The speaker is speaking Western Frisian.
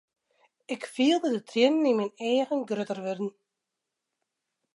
Ik fielde de triennen yn myn eagen grutter wurden.